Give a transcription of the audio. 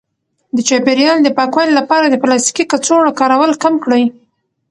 د چاپیریال د پاکوالي لپاره د پلاستیکي کڅوړو کارول کم کړئ.